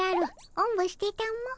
おんぶしてたも。